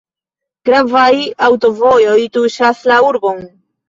Gravaj aŭtovojoj tuŝas la urbon.